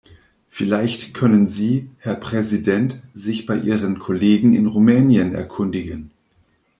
Vielleicht können Sie, Herr Präsident, sich bei Ihren Kollegen in Rumänien erkundigen!